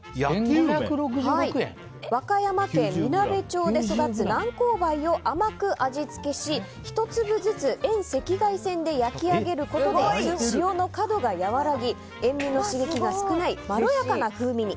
和歌山県みなべ町で育つ南高梅を、甘く味付けし１粒ずつ遠赤外線で焼き上げることで塩の角が和らぎ塩みの刺激が少ないまろやかな風味に。